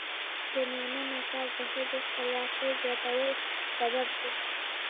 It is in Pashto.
د میرمنو کار د ښځو خپلواکۍ زیاتولو سبب دی.